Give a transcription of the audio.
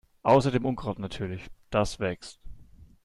Außer dem Unkraut natürlich, das wächst.